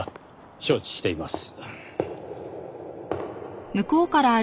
承知しています。